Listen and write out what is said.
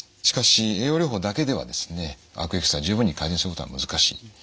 しかし栄養療法だけではですね悪液質が十分に改善することは難しい。